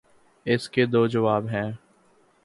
اس کے دو جواب ہیں۔